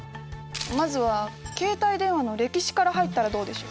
まずは携帯電話の歴史から入ったらどうでしょう？